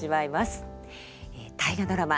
大河ドラマ